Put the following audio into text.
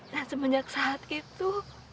dan semenjak saat itu